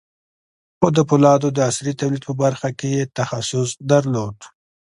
خو د پولادو د عصري تولید په برخه کې یې تخصص درلود